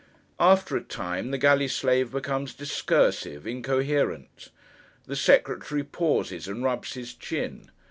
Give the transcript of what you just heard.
After a time, the galley slave becomes discursive—incoherent. The secretary pauses and rubs his chin.